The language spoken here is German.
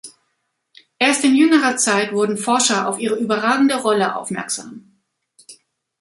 Erst in jüngerer Zeit wurden Forscher auf ihre überragende Rolle aufmerksam.